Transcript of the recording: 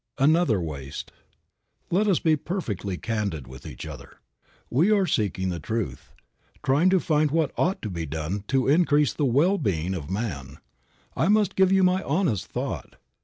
III. ANOTHER WASTE. LET us be perfectly candid with each other. We are seeking the truth, trying to find what ought to be done to increase the well being of man. I must give you my honest thought.